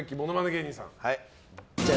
芸人さん。